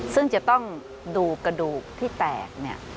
ซึ่งจะต้องดูกระดูกที่แตกเนี่ย